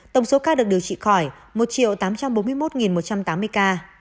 tổng số ca được điều trị khỏi một tám trăm bốn mươi một một trăm tám mươi ca